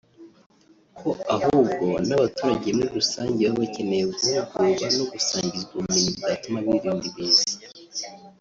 ko ahubwo n’abaturage muri rusange baba bakeneye guhugurwa no gusangizwa ubumenyi bwatuma birinda ibiza